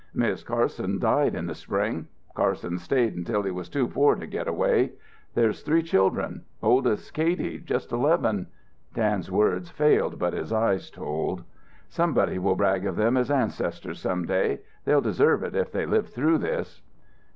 "Mis' Carson died in the spring. Carson stayed until he was too poor to get away. There's three children oldest's Katy, just eleven." Dan's words failed, but his eyes told. "Somebody will brag of them as ancestors some day. They'll deserve it if they live through this."